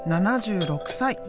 ７６歳。